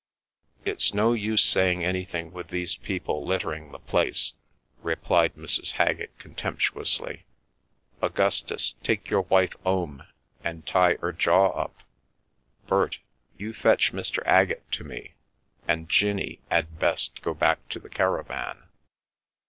" It's no use saying anything with these people lit tering the place," replied Mrs. Haggett, contemptuously. "Augustus, take your wife 'ome, and tie 'er jaw up. Bert — you fetch Mr. 'Aggett to me, and Jinnie 'ad best go back to the caravan."